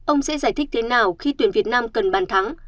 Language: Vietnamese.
ông sẽ giải thích thế nào khi tuyển việt nam cần bàn thắng